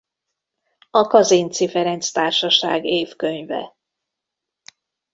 A Kazinczy Ferenc Társaság évkönyve.